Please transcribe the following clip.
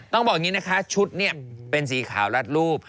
ต้องบอกอย่างนี้นะคะชุดเนี่ยเป็นสีขาวรัดรูป